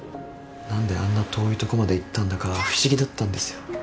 何であんな遠いとこまで行ったんだか不思議だったんですよ。